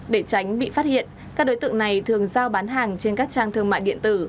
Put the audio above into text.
để tránh bị phát hiện các đối tượng này thường giao bán hàng trên các trang thương mại điện tử